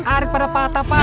arit pada patah pak